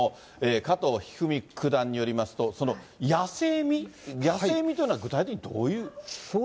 加藤一二三九段によりますと、その野性味、野性味というのは、具体的にどういう？